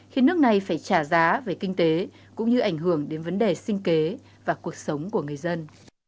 khiến nước này phải trả giá về kinh tế cũng như ảnh hưởng đến vấn đề sinh kế và cuộc sống của người dân